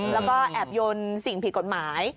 แล้วก็แอบยนต์สิ่งผิดกฎหมาย